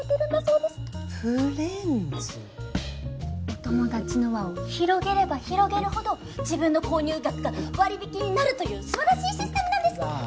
お友達の輪を広げれば広げるほど自分の購入額が割引になるという素晴らしいシステムなんです！